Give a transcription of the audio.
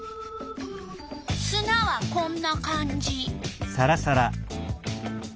すなはこんな感じ。